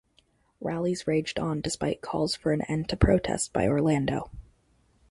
Rallies raged on despite calls for an end to protest by Orlando.